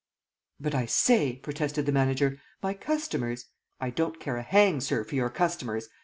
..." "But I say," protested the manager, "my customers?" "I don't care a hang, sir, for your customers!